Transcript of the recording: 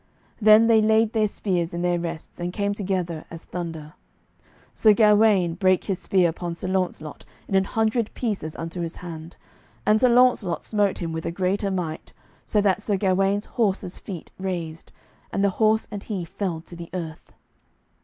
Then they laid their spears in their rests, and came together as thunder. Sir Gawaine brake his spear upon Sir Launcelot in an hundred pieces unto his hand, and Sir Launcelot smote him with a greater might, so that Sir Gawaine's horse's feet raised, and the horse and he fell to the earth.